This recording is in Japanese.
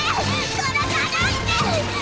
殺さないでーっ！！